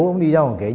ông đi đâu mà kể